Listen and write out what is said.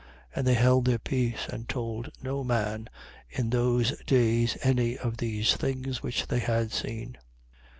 And they held their peace and told no man in those days any of these things which they had seen.